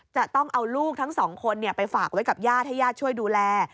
จะต้องเอาลูกทั้งสองคนไปฝากไว้กับญาติให้ญาติช่วยดูแล